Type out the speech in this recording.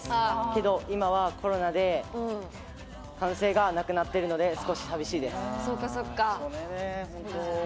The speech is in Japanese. けど、今はコロナで歓声がなくなってるので少し寂しいです。